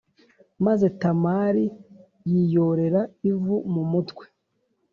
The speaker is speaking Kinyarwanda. Maze Tamari yiyorera ivu mu mutwe